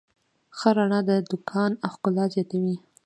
ښه رڼا د دوکان ښکلا زیاتوي.